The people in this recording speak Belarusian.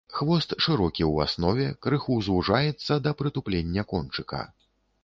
Хвост шырокі ў аснове, крыху звужаецца да прытуплення кончыка.